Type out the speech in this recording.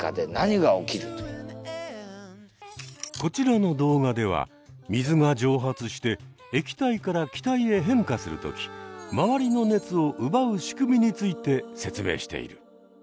こちらの動画では水が蒸発して液体から気体へ変化するときまわりの熱を奪う仕組みについて説明している。